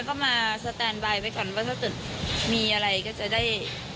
ก็มาสแตนบายไว้ก่อนว่าถ้าเกิดมีอะไรก็จะได้